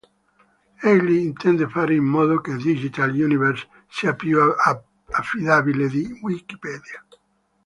Egli intende fare in modo che Digital Universe sia più affidabile di Wikipedia.